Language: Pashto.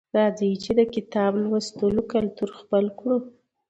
راځئ چې د کتاب لوستلو کلتور خپل کړو